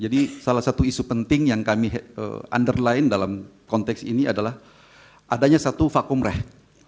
jadi salah satu isu penting yang kami underline dalam konteks ini adalah adanya satu vakum reh